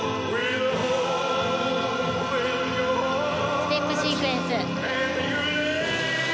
ステップシークエンス。